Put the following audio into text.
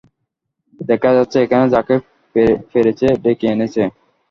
দেখা যাচ্ছে, এখানে যাকে পেরেছে ডেকে এনেছে।